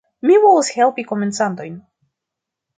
Mi volas helpi komencantojn